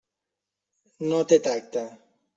No té tacte.